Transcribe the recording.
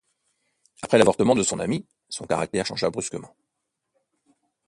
Après l'avortement de son amie, son caractère changea brusquement.